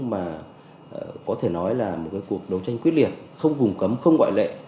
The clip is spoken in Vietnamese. mà có thể nói là một cuộc đấu tranh quyết liệt không vùng cấm không ngoại lệ